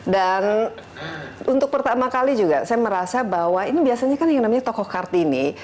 dan untuk pertama kali juga saya merasa bahwa ini biasanya kan yang namanya tokoh kartini